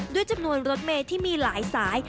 ด้วยจำนวนรถเมย์ที่มีหลายสาย